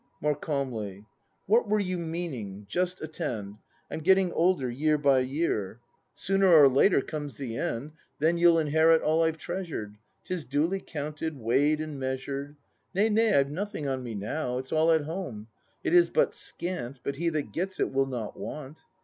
[More calmly.] What were you meaning ?— Just attend : I'm getting older year by year; 86 BRAND [act n Sooner or later comes the end; Then you'll inherit all I've treasured, 'Tis duly counted, weighed and measured — Nay, nay, I've nothing on me now! — It's all at home. It is but scant; But he that gets it will not want.